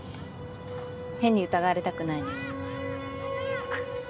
変に疑われたくないです。